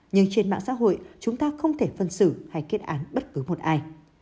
nhưng trên mạng xã hội chúng ta không thể phân xử hay kết án bất cứ một ai